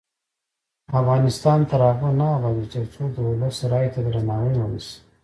افغانستان تر هغو نه ابادیږي، ترڅو د ولس رایې ته درناوی ونشي.